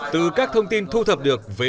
từ các thông tin thu thập được về